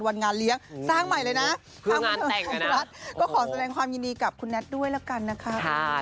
วันงานเลี้ยงสร้างใหม่เลยน่ะเพื่องานแต่งด่วนะทุกคนรัฐก็ขอแสดงความยินดีกับคุณแนทด้วยละกันนะครับ